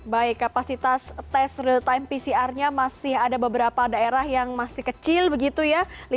baik kapasitas tes real time pcr nya masih ada beberapa daerah yang masih kecil begitu ya